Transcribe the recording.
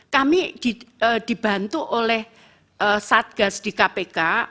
kami dibantu oleh satgas di kpk